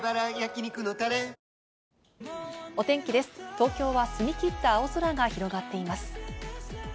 東京は澄み切った青空が広がっています。